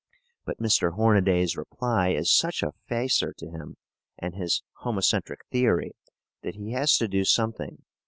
But Mr. Hornaday's reply is such a facer to him and his homocentric theory that he has to do something.